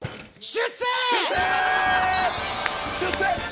出世！